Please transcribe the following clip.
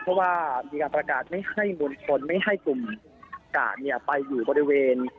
เพราะว่ามีการประกาศไม่ให้มันมนตรงไม่ให้กลุ่มประกาศเนี่ยไปอยู่บริเวณ